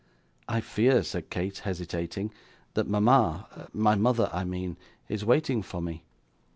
'I fear,' said Kate, hesitating, 'that mama my mother, I mean is waiting for me.